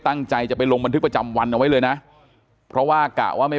ตั้งใจจะไปลงบันทึกประจำวันเอาไว้เลยนะเพราะว่ากะว่าไม่